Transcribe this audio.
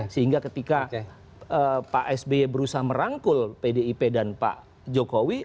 sehingga ketika pak sby berusaha merangkul pdip dan pak jokowi